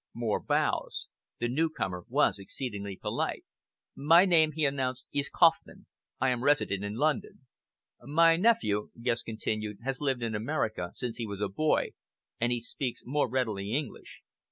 More bows. The newcomer was exceedingly polite. "My name," he announced, "is Kauffman. I am resident in London." "My nephew," Guest continued, "has lived in America since he was a boy, and he speaks more readily English!"